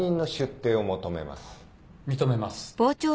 認めます。